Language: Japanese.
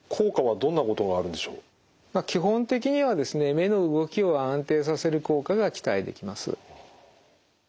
目の動きを安定させる効果が期待できます。